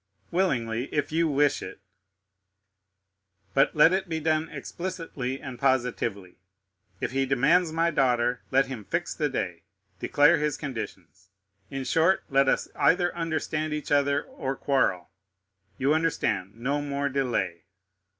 "Willingly, if you wish it." "But let it be done explicitly and positively. If he demands my daughter let him fix the day—declare his conditions; in short, let us either understand each other, or quarrel. You understand—no more delay."